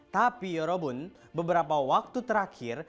tapi yorobun beberapa waktu terakhir